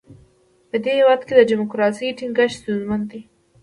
په دې هېواد کې د ډیموکراسۍ ټینګښت ستونزمن دی.